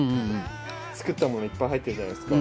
作ったものいっぱい入ってるじゃないですか。